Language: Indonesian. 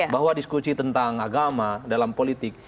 bahwa diskusi tentang agama dalam politik